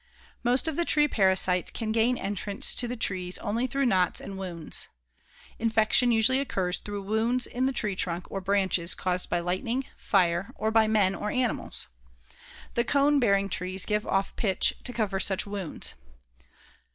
Most of the tree parasites can gain entrance to the trees only through knots and wounds. Infection usually occurs through wounds in the tree trunk or branches caused by lightning, fire, or by men or animals. The cone bearing trees give off pitch to cover such wounds.